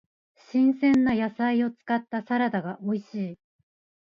新鮮な野菜を使ったサラダが美味しい。